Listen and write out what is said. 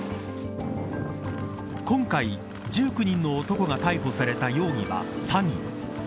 今回、１９人の男が逮捕された容疑は詐欺。